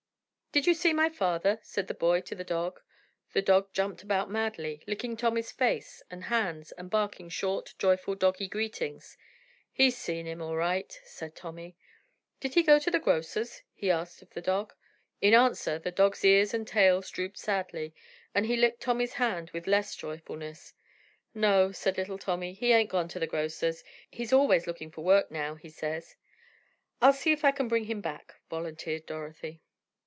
"Did you see my father?" said the boy to the dog. The dog jumped about madly, licking Tommy's face and hands and barking short, joyful doggie greetings. "He's seen him, all right," said Tommy. "Did he go to the grocer's?" he asked of the dog. In answer the dog's ears and tail drooped sadly, and he licked Tommy's hand with less joyfulness. "No," said little Tommy, "he ain't gone to the grocer's, he's always looking for work now, he says." "I'll see if I can bring him back," volunteered Dorothy.